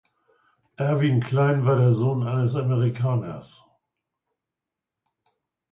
Erwin Klein war der Sohn eines Amerikaners.